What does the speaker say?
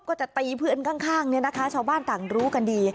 ก็จะตีเพื่อนข้างเนี่ยนะคะชาวบ้านต่างรู้กันดี